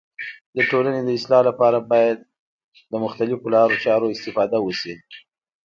د ټولني د اصلاح لپاره باید د مختلیفو لارو چارو استفاده وسي.